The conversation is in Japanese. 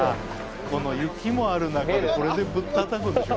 この雪もあるなかでこれでぶったたくんでしょ？